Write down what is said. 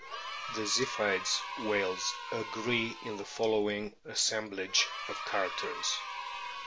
The Ziphioid whales agree in the following assem blage of characters : 1.